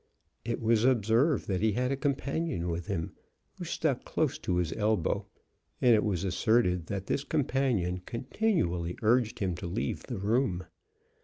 It was observed that he had a companion with him, who stuck close to his elbow, and it was asserted that this companion continually urged him to leave the room.